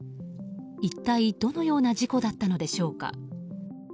一体どのような事故だったのでしょうか。